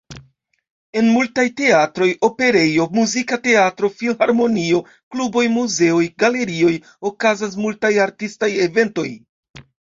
En multaj teatroj, operejo, muzika teatro, filharmonio, kluboj, muzeoj, galerioj, okazas multaj artistaj eventoj.